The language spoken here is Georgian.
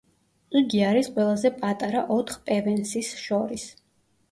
იგი არის ყველაზე პატარა ოთხ პევენსის შორის.